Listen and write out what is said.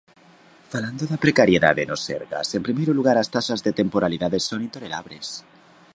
Falando da precariedade no Sergas, en primeiro lugar, as taxas de temporalidade son intolerables.